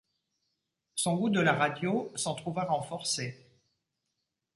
Son goût de la radio s’en trouva renforcé.